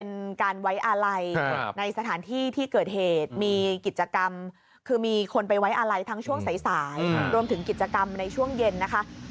เป็นการไว้อาลัยในสถานที่ที่เกิดเหตุมีกิจกรรมคือมีคนไปไว้อาลัยทั้งช่วงสายรวมถึงกิจกรรมในช่วงเย็นนะคะ